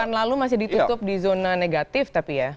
pekan lalu masih ditutup di zona negatif tapi ya